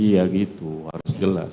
iya gitu harus jelas